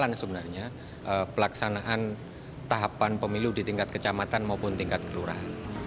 bagaimana sebenarnya pelaksanaan tahapan pemilu di tingkat kecamatan maupun tingkat kelurahan